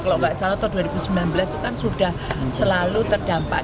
kalau nggak salah tahun dua ribu sembilan belas itu kan sudah selalu terdampak